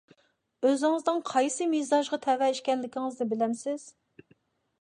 ئۆزىڭىزنىڭ قايسى مىزاجغا تەۋە ئىكەنلىكىڭىزنى بىلەمسىز؟